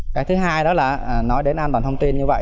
cái thứ hai đó là nói đến an toàn thông tin như vậy